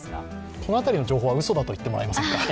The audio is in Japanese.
この辺りの情報はうそだと言ってもらえませんか？